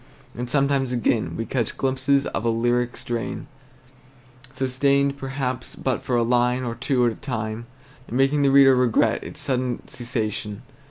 And sometimes again we catch glimpses of a lyric strain, sustained perhaps but for a line or two at a time, and making the reader regret its sudden cessation.